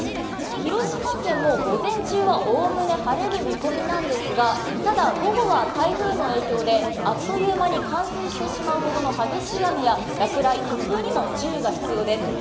広島県、午前中はおおむね晴れる見込みなんですが、ただ、午後は台風の影響であっという間に冠水してしまうほどの激しい雨や落雷、突風にも注意が必要です。